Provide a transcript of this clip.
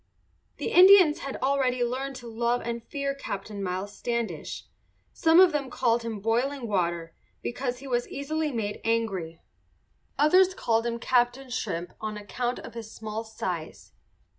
The Indians had already learned to love and fear Captain Miles Standish. Some of them called him "Boiling Water" because he was easily made angry. Others called him "Captain Shrimp," on account of his small size.